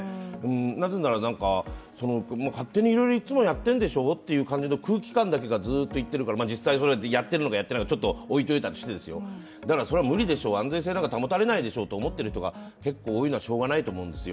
なぜなら勝手にいろいろいっつもやってんでしょという空気感だけがずっといってるから実際にやっているのか、やっていないのかちょっと置いといたとして、だからそれは無理でしょう安全性なんか保たれないでしょうと思っている人が結構多いのはしようがないと思うんです。